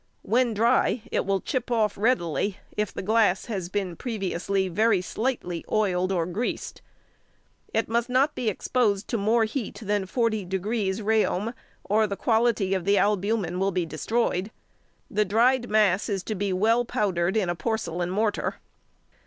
When dry it will chip off readily, if the glass has been previously very slightly oiled or greased. It must not be exposed to more heat than 40° Reaum., or the quality of the albumen will be destroyed. The dried mass is to be well powdered in a porcelain mortar.